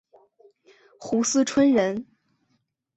斛斯椿人。